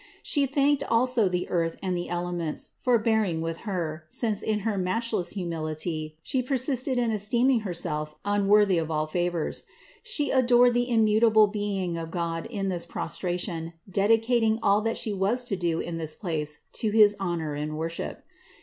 She thanked also the earth and the elements for bearing with Her, since in her matchless humility She persisted in esteeming Herself unworthy of all favors. She adored the immutable being of God in this prostration, dedicat ing all that She was to do in this place to his honor and worship.